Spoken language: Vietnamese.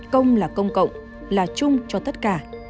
công là công cộng là chung cho tất cả